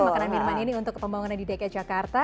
makanan minuman ini untuk pembangunan di dki jakarta